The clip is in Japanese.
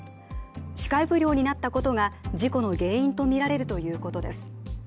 視界不良になったことが事故の原因とみられるということです。